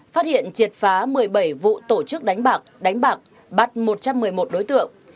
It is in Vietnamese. phát hiện triệt phá một mươi bảy vụ tổ chức đánh bạc đánh bạc bắt một trăm một mươi một đối tượng